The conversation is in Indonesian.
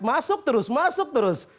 masuk terus masuk terus